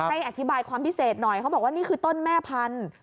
ให้อธิบายความพิเศษหน่อยเขาบอกว่านี่คือต้นแม่พันธุ์